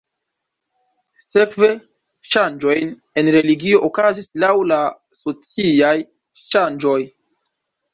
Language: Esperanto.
Sekve ŝanĝojn en religio okazis laŭ la sociaj ŝanĝoj.